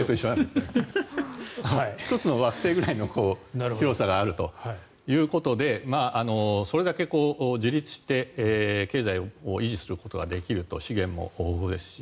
１つの惑星ぐらいの広さがあるということでそれだけ自立して経済を維持することができると資源も豊富ですし。